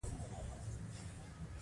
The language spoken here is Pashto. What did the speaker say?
سکون ښه دی.